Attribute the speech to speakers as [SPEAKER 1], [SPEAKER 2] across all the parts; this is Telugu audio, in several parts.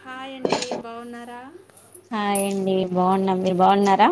[SPEAKER 1] హాయ్ అండి బాగున్నారా
[SPEAKER 2] హాయ్ అండీ బాగున్నాం మీరు బాగున్నారా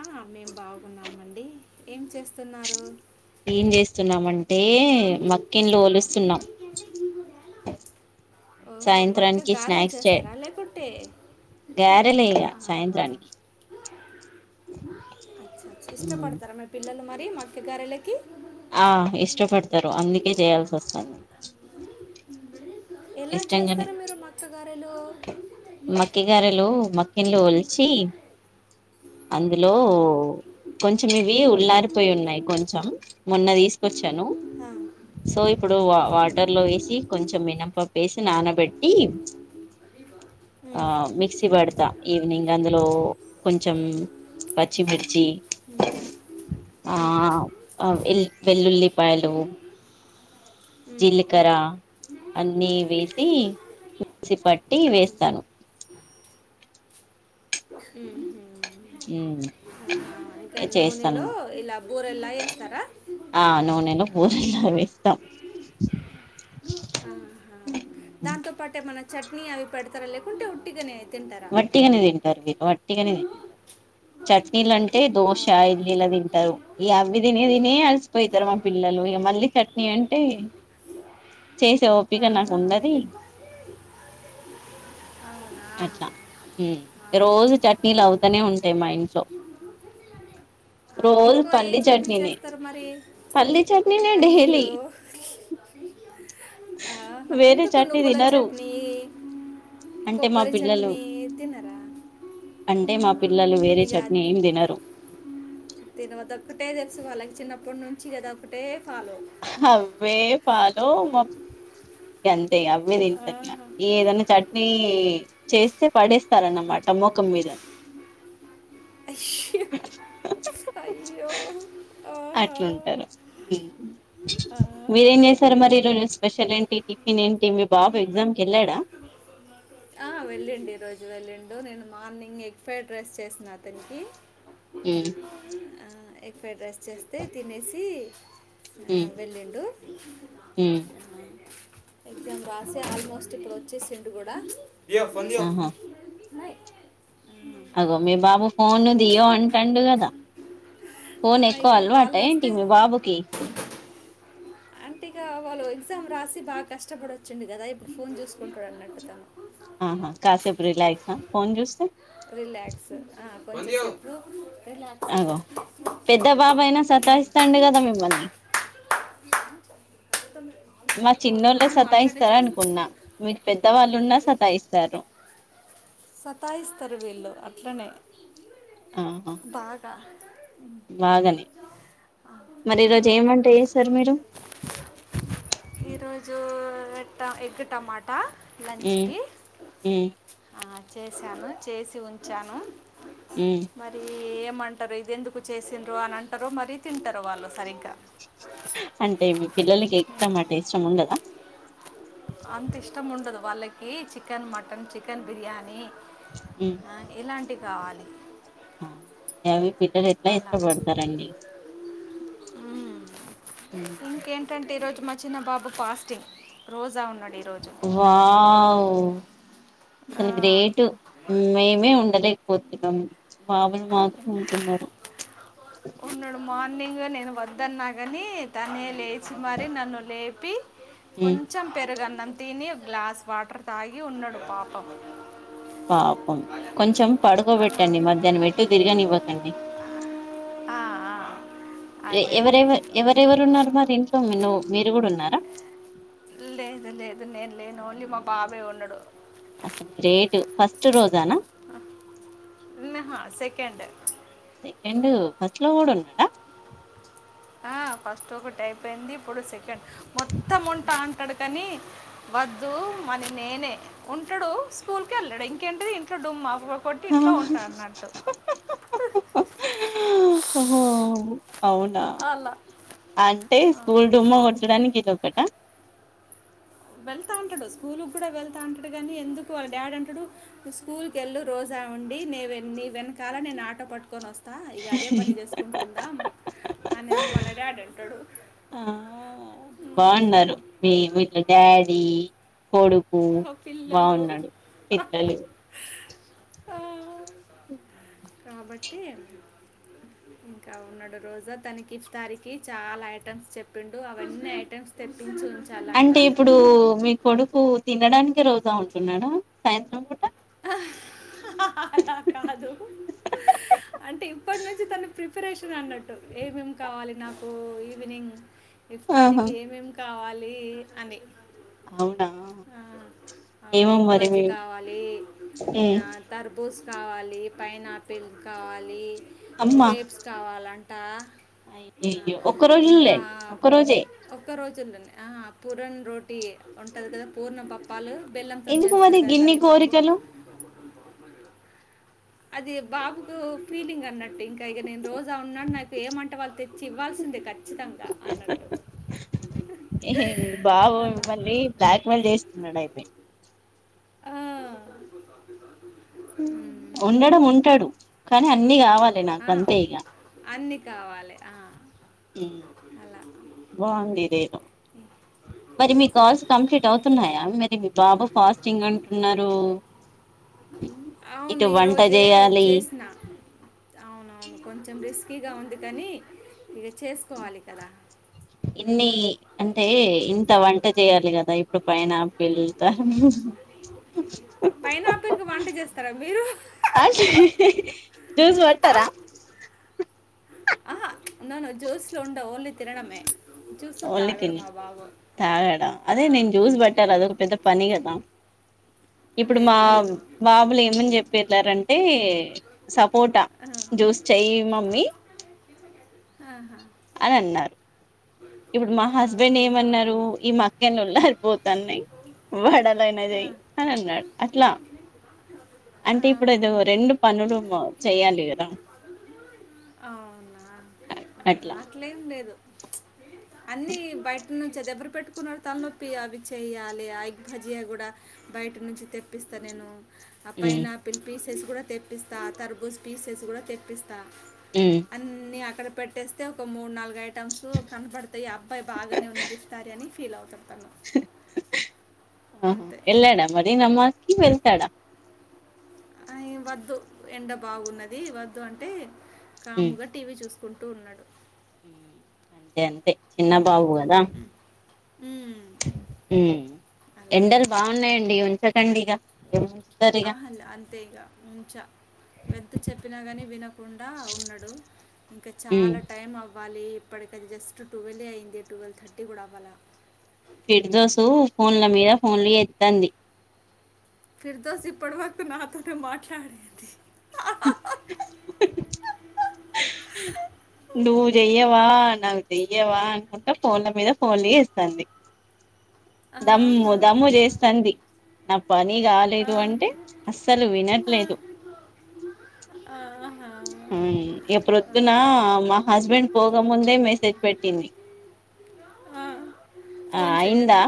[SPEAKER 1] ఆ మేము బాగున్నామండి ఏం చేస్తున్నారు
[SPEAKER 2] ఏం చేస్తున్నాం అంటే మక్కెన్లు ఒలుస్తున్నం
[SPEAKER 1] ఓహో మక్క
[SPEAKER 2] సాయంత్రానికి
[SPEAKER 1] గారెలు
[SPEAKER 2] స్నాక్స్ చే
[SPEAKER 1] చేస్తారా లేకుంటే
[SPEAKER 2] గారెలే ఇగ
[SPEAKER 1] ఆహా
[SPEAKER 2] సాయంత్రానికి
[SPEAKER 1] ఇష్టపడతారా మీ పిల్లలు మరి మక్క గారెలకి
[SPEAKER 2] ఆ ఇష్టపడతారు అందుకే చేయాల్సి వస్తంది
[SPEAKER 1] ఎలా చేస్తారు మీరు మక్కగారెలు
[SPEAKER 2] మక్కె గారలు మకెండ్లు ఒల్చి
[SPEAKER 1] [inaudible]
[SPEAKER 2] అందులో
[SPEAKER 1] ఆ,
[SPEAKER 2] కొంచెం ఇవి ఉల్ళారిపోయి ఉన్నాయి కొంచెం మొన్న దీసుకొచ్చాను
[SPEAKER 1] ఆ,
[SPEAKER 2] సో ఇప్పుడు వా
[SPEAKER 1] ఆ,
[SPEAKER 2] వాటర్ లో వేసి కొంచెం మినప పప్ ఎసి నానబెట్టి ఆ
[SPEAKER 1] ఉమ్,
[SPEAKER 2] మిక్సీ బడతా ఈవినింగ్ అందులో కొంచెం పచ్చిమిర్చి ఆ
[SPEAKER 1] ఉమ్, ఉమ్,
[SPEAKER 2] అ ఎల్ వెల్లుల్లి పాయలు
[SPEAKER 1] ఉమ్, ఉమ్.
[SPEAKER 2] జీలకర్ర అన్నీ వేసి మిక్సీ పట్టి వేస్తాను
[SPEAKER 1] ఊహ్మ్
[SPEAKER 2] ఊమ్
[SPEAKER 1] నూనెలో
[SPEAKER 2] చేస్తాను
[SPEAKER 1] ఇలా బూరెల్లా వేస్తారా
[SPEAKER 2] ఆ నూనెలో పూరి వేస్త త్త
[SPEAKER 1] ఆహా దాంతో పట్టె ఏం అన్న చట్నీ అవి పెడతారా లేకుంటే ఉట్టిగానే తింటారా
[SPEAKER 2] వట్టిగానే తింటారు వీళ్ళు వట్టిగానే తింటారు చట్నీలు అంటే దోశ
[SPEAKER 1] అవునా
[SPEAKER 2] ఇడ్లీ ఇలా తింటారు ఈ అవి తినేది నే అలసిపోతారు మా పిల్లలు ఇక మల్ళీ చట్నీ అంటే చేసే ఓపిక నాకు
[SPEAKER 1] ఆహా
[SPEAKER 2] ఉండది
[SPEAKER 1] అవునా
[SPEAKER 2] అట్లా రోజు చట్నీలు అవుతూనే ఉంటాయి మా ఇంట్లో
[SPEAKER 1] ఆ,
[SPEAKER 2] రోజు
[SPEAKER 1] ఎక్కువ ఏ
[SPEAKER 2] పల్లి
[SPEAKER 1] చట్నీ
[SPEAKER 2] చట్నీని
[SPEAKER 1] చేస్తారు మరి అయ్యో ఆహా
[SPEAKER 2] వేరే
[SPEAKER 1] ఎందుకు
[SPEAKER 2] చట్నీ
[SPEAKER 1] నువ్వుల
[SPEAKER 2] తినరు
[SPEAKER 1] చట్నీ
[SPEAKER 2] అంటే మా
[SPEAKER 1] కొబ్బరి
[SPEAKER 2] పిల్లలు
[SPEAKER 1] చట్నీ తినరా
[SPEAKER 2] అంటే మా
[SPEAKER 1] ఆహా.
[SPEAKER 2] పిల్లలు వేరే చట్నీ ఏం తినరు
[SPEAKER 1] తిన అతే ఒకక్కటే తెస ఫాలకి చిన్నప్పటి నుంచి కదా ఒకక్కటే ఫలో
[SPEAKER 2] అవే ఫాలో మా అవే తింటారు ఇగ్గా ఇగ
[SPEAKER 1] ఆహా.
[SPEAKER 2] ఈ ఏదన్నా చట్నీ చేస్తే పడేస్తారన్నమాట మోఖం మీదని
[SPEAKER 1] అ అయ్యో ఆహా
[SPEAKER 2] అట్లా ఉంటారు
[SPEAKER 1] ఆహా
[SPEAKER 2] మీరేం చేస్తారు మరి ఈరోజు స్పెషల్ ఏంటి టిఫిన్ ఏంటి మీ బాబు ఎగ్జామ్ కి వెళ్ళాడా
[SPEAKER 1] ఆ వెళ్ళిండు ఈరోోజు వెళ్ళిండు నేను మార్నింగ్ ఎగ్ ఫ్రైడ్ రైస్ చేసా అతనికి
[SPEAKER 2] ఉమ్
[SPEAKER 1] ఎగ్ ఫ్రైడ్ రైస్ చేస్తే తినేసి
[SPEAKER 2] ఉమ్
[SPEAKER 1] వెళ్ళిండు
[SPEAKER 2] ఉమ్
[SPEAKER 1] ఎగ్జామ్స్ రాసి ఆల్మోస్ట్ ఇప్పుడు వచ్చేసిండూ కూడా
[SPEAKER 2] ఆహా
[SPEAKER 1] నాయి
[SPEAKER 2] అగో మీ బాబు ఫోను దియో అంటండు కదా ఫోన్
[SPEAKER 1] ఆ,
[SPEAKER 2] ఎక్కువ
[SPEAKER 1] ఇక
[SPEAKER 2] అలవాట
[SPEAKER 1] వాళ్ళు
[SPEAKER 2] ఏంటి
[SPEAKER 1] వస్తే
[SPEAKER 2] మీ బాబుకి
[SPEAKER 1] అంటే ఇక వాళ్ళు ఎగ్జామ్ రాసి బాగా కష్టపడివ్చిండూ కదా ఇప్పుడు ఫోన్ చూసుకుంటాడు అన్నట్టు ఇగ్గా తను
[SPEAKER 2] ఆహా కాసేపు రిలాయక్స్ ఫోన్ చూస్తే
[SPEAKER 1] రిలాక్స్ ఆ కొంచంసేపు
[SPEAKER 2] అగో పెద్ద బాబా అయినా సతాయిస్తాడు కదా మిమ్మల్ని మ చిన్నోళ్ళ
[SPEAKER 1] అవును అట్లనే
[SPEAKER 2] సతాయిస్తారు
[SPEAKER 1] చేస్తా
[SPEAKER 2] అనుకున్నా మీకు పెద్దవాళ్ళున్నా సతాయిస్తారు
[SPEAKER 1] సత్త ఇస్తారు వీళ్లు అట్లనే
[SPEAKER 2] ఆహా
[SPEAKER 1] బాగా
[SPEAKER 2] బాగానే మరి
[SPEAKER 1] ఆ,
[SPEAKER 2] ఈరోజు ఏం వంట చేసారు
[SPEAKER 1] ఇంక్-
[SPEAKER 2] మీరు
[SPEAKER 1] ఈరోజు ట ఎగ్ టమాటా లంచ్
[SPEAKER 2] మ్మ్
[SPEAKER 1] కి
[SPEAKER 2] మ్మ్
[SPEAKER 1] చేశాను చేసి ఉంచాను
[SPEAKER 2] మ్మ్
[SPEAKER 1] మరి ఏ అంటారు ఇది ఎందుకు చేసింద్రో అని అంటార మరీ తింటారు వాళ్ళు సరింగా
[SPEAKER 2] అంటే మీ పిల్లలకి ఎగ్ టమోటా ఇష్టం ఉండదా
[SPEAKER 1] అంత ఇష్టం ఉండదు వాళ్ళకి చికెన్ మటన్ చికెన్ బిర్యానీ ఆ ఇలాంటి కావాలి
[SPEAKER 2] అయ అవి పిల్లలు ఎట్లా
[SPEAKER 1] అలా
[SPEAKER 2] ఇష్టపడతారండి ఉమ్.
[SPEAKER 1] ఇంకేంటంటే ఈరోోజు మా చిన్న బాబు ఫాస్టింగ్ రోజా ఉ
[SPEAKER 2] వావు
[SPEAKER 1] ఆ,
[SPEAKER 2] అసలు గ్రేట్ మేమే ఉండలేకపోతున్నాము బాబలు మాత్రం ఉంటున్నారు
[SPEAKER 1] ఉన్నాడు మార్నింగ్ నేను వద్దన్నా కాని తనే లేచి మారి నన్ను లేపి
[SPEAKER 2] ఉమ్,
[SPEAKER 1] కొంచెం పెరుగన్నం తిని, గ్లాస్ వాటర్ తాగి ఉన్నడు పాపం.
[SPEAKER 2] పాపం, కొంచెం
[SPEAKER 1] ఆ,
[SPEAKER 2] పడుకోబెట్టండి మధ్యాహ్నం ఎట్టుత్, తిరగానివ్వకండి.
[SPEAKER 1] ఆ, ఆ. అదే
[SPEAKER 2] ఎవరెవర్ ఎవరెవరు ఉన్నారు మరి ఇంట్లో, నువ్ మీరు గుడా ఉన్నారా.
[SPEAKER 1] లేదు లేదు లేద్ నేన్ లేను, ఓన్లీ మా బాబే ఉన్నాడు.
[SPEAKER 2] అసల్ గ్రేట్, ఫస్ట్ రోజానా?
[SPEAKER 1] కేండ్.
[SPEAKER 2] సెకండ్, ఫస్ట్ లో కూడా ఉన్నాడా.
[SPEAKER 1] ఆ ఫస్ట్ ఒకటి అయిపోయింది, ఇప్పుడు సెకండ్. మొత్తం ఉంటాన్, ఉంటడు కాని, వద్దు మని నేనే, ఉంటాడు స్కూల్ కెళ్ళాడు. ఇంకేంటిది ఇంట్లో, డుమ్మా [unintelligible] కొట్టి
[SPEAKER 2] ఆ.
[SPEAKER 1] ఇంట్లో ఉంటాడ్ అన్నట్టు.
[SPEAKER 2] ఓహో అవునా.
[SPEAKER 1] అలా
[SPEAKER 2] అంటే స్కూల్ డుమ్మా కొట్టడానికి ఇదోకట.
[SPEAKER 1] వెళ్తా అంటాడు స్కూల్ గుడా వెళ్తా అంటాడు గానీ, ఎందుకు వాళ్ళ డాడ్ అంటాడు, నువ్ స్కూల్ కెళ్ళు రోజా, [unintelligible] ఉండి, నీవే నీ వెనకాల నేను ఆటో పట్, కొనోస్త. ఇగా అదే పని చేసుకుంటుం ఉందాం. అనే ఏమో వాళ్ళ డాడీ అంటాడు. ఉమ్,
[SPEAKER 2] బావున్నారు, మీ వీళ్ళ డాడీ, కొడుకు
[SPEAKER 1] ఆ పిల్లలు
[SPEAKER 2] బావున్నాడు. పిత్తలే
[SPEAKER 1] ఆ. కాబట్టి, ఇంకా ఉన్నాడు రోజా. తనకి ఇఫ్తారికి చాలా ఐటమ్స్ చెప్పిండు, అవన్నీ ఐటెమ్స్ తెప్
[SPEAKER 2] అంటే ఇప్పుడు మీ కొడుకు తినడానికే రోజా ఉంటున్నాడా, సాయంత్రం పూట?
[SPEAKER 1] ఆ అలా కాదు. అంటే ఇప్పటి నుంచి తన ప్రిపరేషన్ అన్నట్టు. ఏమేం కావాలి నాకు, ఈవినింగ్.
[SPEAKER 2] ఆహా
[SPEAKER 1] ఇఫ్తారీకి ఏమేం కావాలి, అని.
[SPEAKER 2] అవునా
[SPEAKER 1] ఆ అవున్
[SPEAKER 2] ఏమో
[SPEAKER 1] ఎగ్
[SPEAKER 2] మరి
[SPEAKER 1] బజ్జీ
[SPEAKER 2] మీ
[SPEAKER 1] కావాలి, ఆ
[SPEAKER 2] ఉమ్
[SPEAKER 1] తర్బూస్ కావాలి, పైనాపిల్ కావాలి,
[SPEAKER 2] అమ్మా
[SPEAKER 1] గ్రేప్స్ కావాలంట. ఆ
[SPEAKER 2] అయ్యయ్యో ఒక్క రోజులే
[SPEAKER 1] ఇంకా
[SPEAKER 2] ఒక్క రోజే
[SPEAKER 1] ఒక్క రోజుల్లోనే. ఆ పూరన్ రోటీ ఉంటాద్ గదా, పూర్ణం పప్పాలు. బెల్లంతోని
[SPEAKER 2] ఎందుకు
[SPEAKER 1] చేస్తారు
[SPEAKER 2] మరి
[SPEAKER 1] కదా,
[SPEAKER 2] గిన్ని
[SPEAKER 1] కందిపప్పు.
[SPEAKER 2] కోరికలు
[SPEAKER 1] అది బాబుకు ఫీలింగ్ అన్నట్టు. ఇంకా ఇగ నేను రోజా ఉన్నాన్, నాకు ఏమంటే వాళ్ళు తెచ్చి ఇవ్వాల్ ల్సిందే ఖచ్చితంగా, అన్నట్టు అలా.
[SPEAKER 2] ఇవాల్ జేస్తున్నాడు అయిపే,
[SPEAKER 1] ఆ.
[SPEAKER 2] ఉండడం
[SPEAKER 1] మ్మ్.
[SPEAKER 2] ఉంటాడు, కానీ అన్నీ కావాలే నాకు అంతే ఇగ.
[SPEAKER 1] కావాలే ఆ.
[SPEAKER 2] ఉమ్
[SPEAKER 1] అలా
[SPEAKER 2] బావుంది ఇదేదో.
[SPEAKER 1] అ
[SPEAKER 2] మరి మీ కాల్స్ కంప్లీట్ అవుతున్నాయా, మరి మీ బాబు ఫాస్టింగ్ అంటున్నారు.
[SPEAKER 1] అవున్
[SPEAKER 2] ఇటు వంట
[SPEAKER 1] ఈరోజే
[SPEAKER 2] చేయాలి
[SPEAKER 1] చేస్న. కొంచెం రిస్కీగా ఉంది కానీ, ఇగ చేస్కోవాలి కదా.
[SPEAKER 2] ఇన్ని, అంటే ఇంత వంట చేయాలి కదా, ఇప్పుడు పైనాపిల్ తో అన్ని.
[SPEAKER 1] పైనాపిల్ కి వంట జేస్తారా?
[SPEAKER 2] ఆ జ్యూస్ పట్టరా.
[SPEAKER 1] నన్ను జ్యూస్లో ఉండవు ఓన్లీ తినడమే, జూసుల్ తాగడు మా బాబు.
[SPEAKER 2] తాగాడా.
[SPEAKER 1] ఆ,
[SPEAKER 2] అదే నేన్ జ్యూస్ బట్టాలే అదోక పెద్ద పని గాదా. ఇప్పుడు మా
[SPEAKER 1] లేదు లేదు
[SPEAKER 2] బాబులు ఏమని జేప్పి ఎల్లారంటే, సపోటా జూస్ చే చెయ్యి మమ్మీ,
[SPEAKER 1] ఆహా.
[SPEAKER 2] అన్ అన్నారు.
[SPEAKER 1] స
[SPEAKER 2] ఇప్పుడు మా హస్బెండ్ ఏమన్నారు ఈ మా అక్కెన్నోళ్ల అయిపోతున్నాయి వాడాలైనది అని
[SPEAKER 1] ఆహా,
[SPEAKER 2] చెయ్ అని అన్నాడు అట్లా అంటే ఇప్పుడు అదో
[SPEAKER 1] ఆహా.
[SPEAKER 2] రెండు పనులు చేయాలి కదా
[SPEAKER 1] అవునా అ
[SPEAKER 2] అట్లా
[SPEAKER 1] హా అట్లేం లేదు అన్ని బ ఇ నుంచి అది ఎబరు పెట్టుకున్న తలనొప్పి అవి చెయాలి ఆ అగ్భజియా కూడా బయట నుంచి తెప్పిస్ స్త నేను ఆ
[SPEAKER 2] ఉమ్
[SPEAKER 1] పైనపిల్ పీసెస్ కూడా తెప్పిస్తా తర్బూజ్ పీసెస్ కూడా తెప్పిస్
[SPEAKER 2] ఉమ్
[SPEAKER 1] అ అక్కడ పెట్టేస్తే ఒక మూడు నాలుగు ఐటం కనపడతాయి అబ్బాయి బాగానే ఉన్నది ఇప్తారీ అని ఫీల్ అవుతాం
[SPEAKER 2] ఆ
[SPEAKER 1] అంతే
[SPEAKER 2] ఎల్లాడ మరీ నమాజ్కి వెళ్తాడా
[SPEAKER 1] అ వద్దు ఎండ బాగున్నది వద్దు అంటే
[SPEAKER 2] ఉమ్
[SPEAKER 1] కాముగా టీవీ చూసుకుం టు ఉన్నాడు
[SPEAKER 2] అంతే అంతే చిన్న బాబు కదా
[SPEAKER 1] ఉమ్, అలా
[SPEAKER 2] ఎండలు బాగున్నాయండి ఉంచకండి ఇగ ఉంచుతారు ఇగ
[SPEAKER 1] ఆహలా అంతేగా ఉంచ ఎంత చెప్పినా గాని వినకుండా ఉన్నాడు ఇంకా
[SPEAKER 2] ఉమ్
[SPEAKER 1] చాలా టైం అవ్వాలి ఇప్పటికది జస్ట్ ట్వెల్వ అయింది టువెల్వ్ థర్టీ కూడా అవ్వాల
[SPEAKER 2] తంది
[SPEAKER 1] ఫిర్దోస్ ఇప్పటి వరకు నాతోనే మాట్లాడింది
[SPEAKER 2] నువ్వు చెయ్యవా నావ్ చెయ్యవా అనుకుంటే ఫోన్ల మీద ఫోన్ చేస్తాంది దమ్ము
[SPEAKER 1] ఆహా,
[SPEAKER 2] దమ్ చేస్తాంది నా పని
[SPEAKER 1] ఆహా,
[SPEAKER 2] కాలేదు అంటే అస్సలు వినట్లేదు
[SPEAKER 1] ఆ
[SPEAKER 2] ఆ ఇగ ప్రొద్దున్న మా హస్బెండ్ పోకముందే మెసేజ్ పెట్టింది
[SPEAKER 1] ఆ
[SPEAKER 2] ఆ అయిందా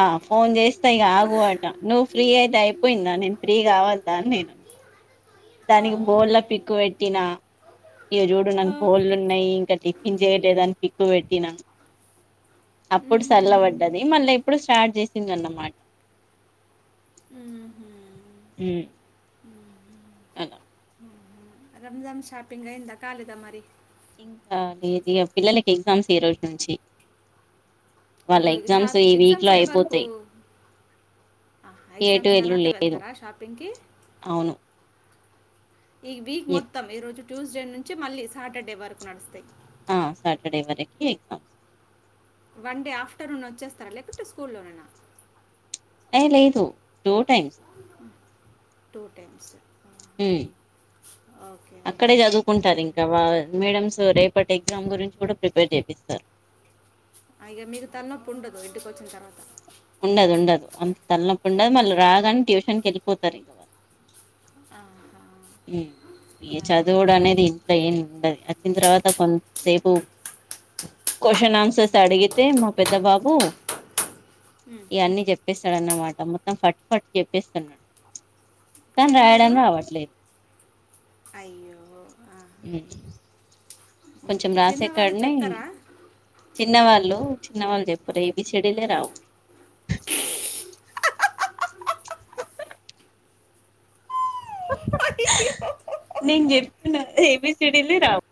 [SPEAKER 2] ఆ ఫోన్ చేస్తే ఇగ ఆగు అంట నువ్ ఫ్రీ అయి తే అయిపోయిందా నేను ఫ్రీ కావాద్దా అని నేనున్నా దానికి
[SPEAKER 1] ఆహా,
[SPEAKER 2] బోర్ల పిక్కు పెట్టినా ఇగ చూడు
[SPEAKER 1] ఆ.
[SPEAKER 2] నాకు కోళ్ళు ఉన్నాయి ఇంకా టిఫిన్ చేయలేదని పిక్కు పెట్టినా అప్పుడు
[SPEAKER 1] మ్మ్.
[SPEAKER 2] సల్లబడ్డది మళ్ళా ఎప్పుడు స్టార్ట్ చేసిందన్నమాట
[SPEAKER 1] ఉమ్ హు
[SPEAKER 2] మ్
[SPEAKER 1] ఉమ్ హు
[SPEAKER 2] అలా
[SPEAKER 1] రంజాన్ షాపింగ్ అయిందా కాలేదా మరి
[SPEAKER 2] ఇంకా లేదుగా పిల్లలకి ఎగ్జామ్స్ ఈ రోజు నుంచి వాళ్ళ
[SPEAKER 1] అయ్యో షార్
[SPEAKER 2] ఎగ్జామ్స్ ఈ వీక్ లో
[SPEAKER 1] ఎగజామ్స్ ఏవర్కు
[SPEAKER 2] అయిపోతాయి
[SPEAKER 1] ఆ
[SPEAKER 2] ఎటు
[SPEAKER 1] ఎగ్జామ్స్
[SPEAKER 2] ఎల్లు
[SPEAKER 1] తర్వాత
[SPEAKER 2] లేదు
[SPEAKER 1] వెళ్తారా షాపింగ్కి
[SPEAKER 2] అవును
[SPEAKER 1] ఈ వీక్ మొత్తం ఈ రోజు ట్యూస్డే నుంచి మళ్ళీ సాటర్డే వరకు నడుస్తాయి
[SPEAKER 2] ఆ సటర్డే వరకి ఎగ్జామ్స్
[SPEAKER 1] వన్ డే ఆఫ్టర్నూన్ వచ్చేస్తారా లేకుంటే స్కూల్లోనేనా
[SPEAKER 2] ఏ లేదు టూ టైమ్స్
[SPEAKER 1] టూ టైమ్స్
[SPEAKER 2] మ్
[SPEAKER 1] ఓకే.
[SPEAKER 2] అక్కడే
[SPEAKER 1] ఓకే.
[SPEAKER 2] చదువుకుంటారు
[SPEAKER 1] హుహు.
[SPEAKER 2] ఇంకా వా మేడమ్స్ రేపు రేపటి ఎగ్జామ్ గురించి కూడా ప్రిపేర్ చేపిస్తారు
[SPEAKER 1] అగ మీకు తలనొప్ప ఉండదు ఇంటికి వచ్చిన తర్వాత
[SPEAKER 2] ఉండదు ఉండదు అంత తలనొప్పి ఉండదు మళ్ళీ రాగానే ట్యూషన్కి వెళ్ళిపోతారు ఇంక వాళ్ళు
[SPEAKER 1] ఆ
[SPEAKER 2] ఉమ్ ఈ చదువుడు అనేది ఇంట్లో ఏమి ఉండది అచ్చిన తర్వాత కొంతసేపు కొశిన్ ఆన్సర్స్ అడిగితే మా పెద్ద బాబు ఇక అన్నీ చెప్పేస్తాడన్నమాట మొత్తం ఫట్ ఫట్ చెప్పేస్తున్నాడు. కానీ రాయడం
[SPEAKER 1] చిన్నోళ్ళు?
[SPEAKER 2] రావట్లేదు
[SPEAKER 1] అయ్యో ఆహా
[SPEAKER 2] ఉమ్.
[SPEAKER 1] చిన్న వాళ్ళు చెప్తారా?
[SPEAKER 2] చిన్న వాళ్ళు చిన్నవాళ్ళు చెప్పరు ఏబిసీడీలే రావు నేన్ జెప్పినా ఏబీసిడేలే రావ్